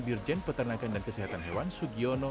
dirjen peternakan dan kesehatan hewan sugiono